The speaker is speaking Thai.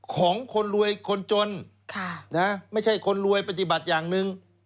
ของคนรวยคนจนไม่ใช่คนรวยปฏิบัติอย่างหนึ่ง